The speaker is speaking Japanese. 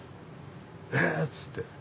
「え⁉」つって。